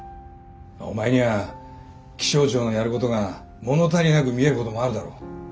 お前には気象庁のやることが物足りなく見えることもあるだろう。